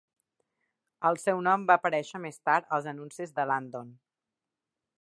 El seu nom va aparèixer més tard als anuncis de Landon.